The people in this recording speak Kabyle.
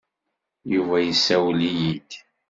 Yuba yessawel-iyi-d.